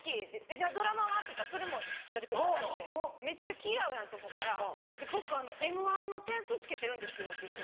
「じゃあドラマは？」って言ったらそれも一緒でぴったりでめっちゃ気合うやんって思ったら「僕『Ｍ−１』の点数付けてるんですよ」って言って。